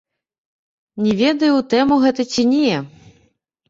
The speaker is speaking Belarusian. Не ведаю, у тэму гэта ці не.